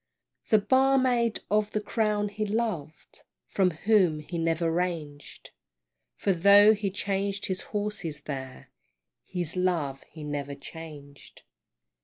The barmaid of the Crown he loved, From whom he never ranged, For though he changed his horses there, His love he never changed.